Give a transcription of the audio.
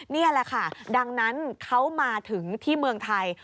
นี่แหละค่ะดังนั้นเขามาถึงที่เมืองไทย